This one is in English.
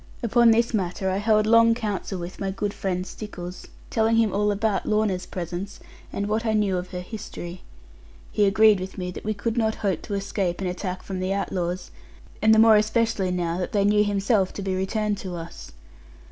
Upon this matter I held long council with my good friend Stickles; telling him all about Lorna's presence, and what I knew of her history. He agreed with me that we could not hope to escape an attack from the outlaws, and the more especially now that they knew himself to be returned to us.